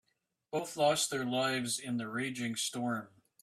Both lost their lives in the raging storm.